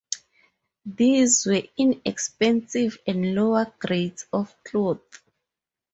These were inexpensive and lower grades of cloth.